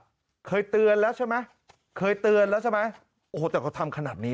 เคยเตือนแล้วใช่ไหมเคยเตือนแล้วใช่ไหมโอ้โหแต่เขาทำขนาดนี้